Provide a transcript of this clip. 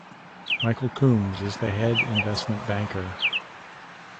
Michael Coombs is the head investment banker.